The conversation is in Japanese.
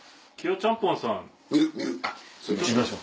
ちゃんぽんさん。